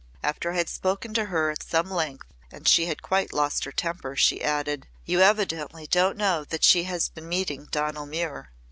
"After I had spoken to her at some length and she had quite lost her temper, she added 'You evidently don't know that she has been meeting Donal Muir.